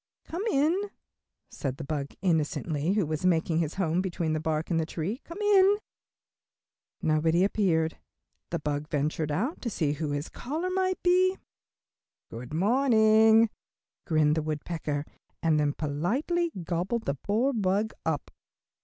"Come in," said the bug, innocently, who was making his home between the bark and the tree, "come in." Nobody appearing, the bug ventured out to see who his caller might be. "Good morning," grinned the woodpecker, and then politely gobbled the poor bug up.